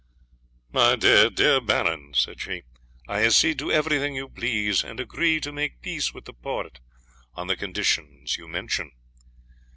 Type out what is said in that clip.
"My dear, dear Baron," said she, "I accede to everything you please, and agree to make peace with the Porte on the conditions you mention.